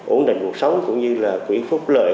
ổn định cuộc sống cũng như là quỹ phúc lợi